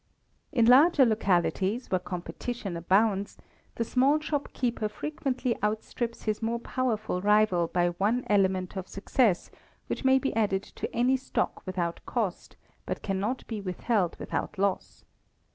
In larger localities, where competition abounds, the small shopkeeper frequently outstrips his more powerful rival by one element of success, which may be added to any stock without cost, but cannot be withheld without loss.